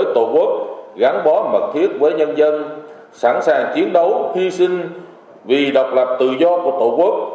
tổ quốc gắn bó mật thiết với nhân dân sẵn sàng chiến đấu hy sinh vì độc lập tự do của tổ quốc